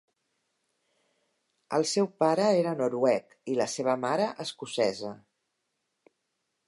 El seu pare era noruec i la seva mare escocesa.